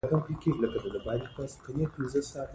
بانکونه د هیواد ملي اسعار پیاوړي کوي.